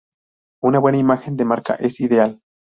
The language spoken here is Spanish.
Una buena imagen de marca es ideal.